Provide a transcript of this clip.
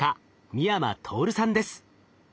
美山透さんです。